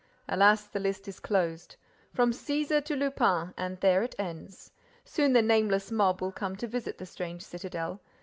"Alas, the list is closed! From Cæsar to Lupin—and there it ends. Soon the nameless mob will come to visit the strange citadel.